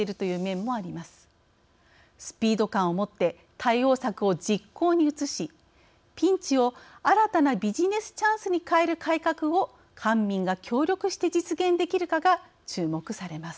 スピード感をもって対応策を実行に移しピンチを新たなビジネスチャンスに変える改革を官民が協力して実現できるかが注目されます。